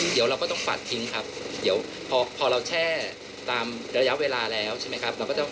เดี๋ยวเราก็ต้องปัดทิ้งครับเดี๋ยวพอเราแช่ตามระยะเวลาแล้วใช่ไหมครับ